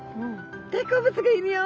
「大好物がいるよ！